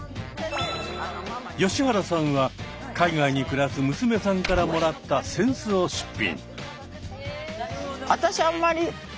吉原さんは海外に暮らす娘さんからもらった扇子を出品。